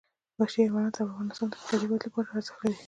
وحشي حیوانات د افغانستان د اقتصادي ودې لپاره ارزښت لري.